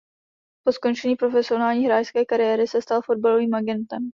Po skončení profesionální hráčské kariéry se stal fotbalovým agentem.